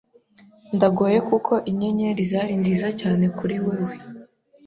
Ndagoye kuko inyenyeri zari nziza cyane kuri wewe